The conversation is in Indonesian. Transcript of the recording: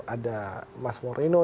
ada mas moreno yang di uu